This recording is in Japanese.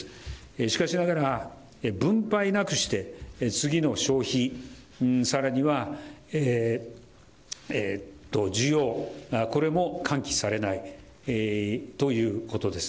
しかしながら、分配なくして次の消費、さらには需要、これも喚起されないということです。